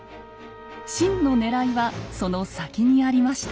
真のねらいはその先にありました。